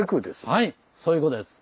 はいそういうことです。